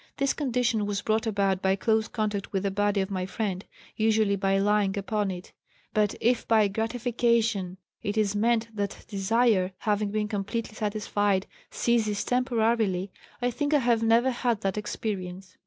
This condition was brought about by close contact with the body of my friend, usually by lying upon it. But if by 'gratification' it is meant that desire, having been completely satisfied, ceases temporarily, I think I have never had that experience.